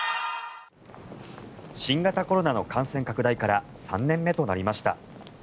新型コロナの感染拡大から３年目となりました。